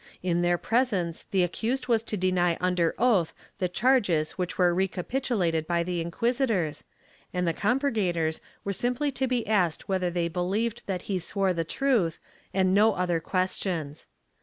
In their presence the accused was to deny under oath the charges which were recapitulated by the inquisitors, and the compurgators were simply to be asked whether they believed that he swore the truth, and no other questions.